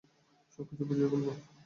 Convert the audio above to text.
সবকিছু বুঝিয়ে বলব।